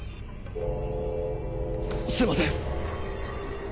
すみません！